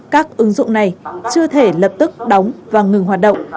các ứng dụng này chưa thể lập tức đóng và ngừng hoạt động